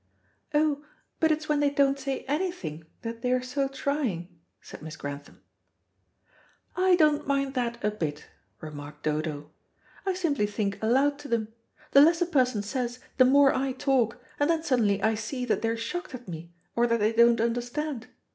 "Oh, but it's when they don't say anything that they're so trying," said Miss Grantham. "I don't mind that a bit," remarked Dodo. "I simply think aloud to them. The less a person says the more I talk, and then suddenly I see that they're shocked at me, or that they don't understand.